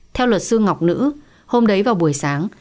theo luật sư ngọc nữ hôm đấy vào buổi sáng